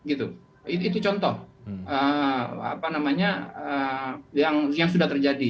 itu contoh yang sudah terjadi